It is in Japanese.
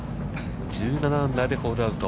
１７アンダーでホールアウト。